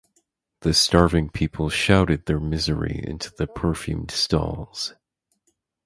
The starving people shouted their misery into the perfumed stalls.